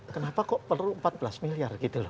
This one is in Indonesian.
kenapa kok perlu empat belas miliar gitu loh